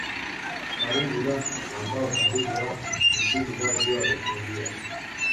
Karibu na mwambao karibu wa kusini mwa Ziwa Vivtoria